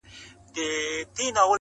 چي مغلوبه سي تیاره رڼا ځلېږي,